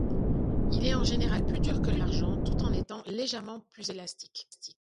Il est en général plus dur que l'argent tout en étant légèrement plus élastique.